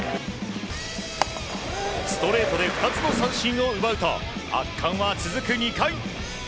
ストレートで２つの三振を奪うと圧巻は続く２回。